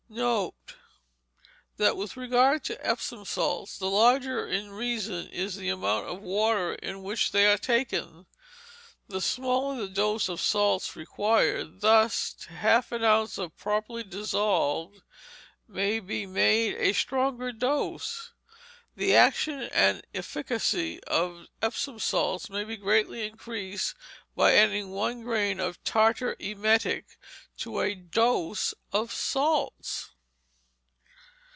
Note, that with regard to Epsom salts, the larger in reason is the amount of water in which they are taken, the smaller the dose of salts required: thus, half an ounce properly dissolved may be made a strong dose. The action and efficacy of Epsom salts may be greatly increased by adding one grain of tartar emetic to a dose of salts.